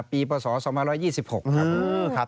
ปีปศ๒๒๖ครับ